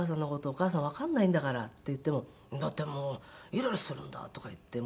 「お母さんわからないんだから」って言っても「だってもうイライラするんだ」とか言って。